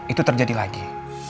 itu terjadi lagi